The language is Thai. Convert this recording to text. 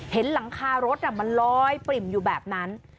เห็นหลังคารถมันลอยปริ่มอยู่แบบนั้น